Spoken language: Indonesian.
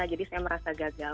jadi saya merasa gagal